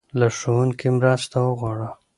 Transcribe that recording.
له ښوونکي مرسته وغواړه.